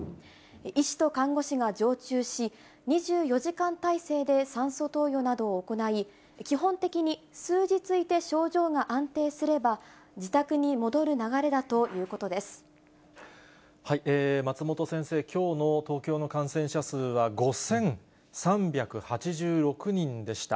医師と看護師が常駐し、２４時間態勢で酸素投与などを行い、基本的に数日いて症状が安定すれば、自宅に戻る流れだということ松本先生、きょうの東京の感染者数は５３８６人でした。